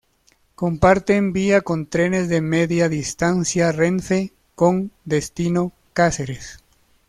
Comparten vía con trenes de Media Distancia Renfe con destino Cáceres.